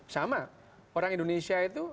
sama orang indonesia itu